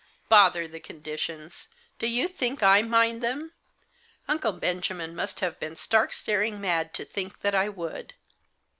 "Bother the conditions! Do you think I mind them? Uncle Benjamin must have been stark staring mad to think that I would.